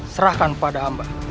serahkan pada hamba